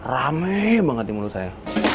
rame banget menurut saya